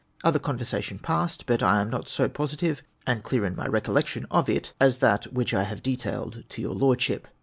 Other conversation passed, but I am not so positive and clear in my recollection of it as of that which I have detailed to your Lordship.